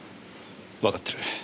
わかってる。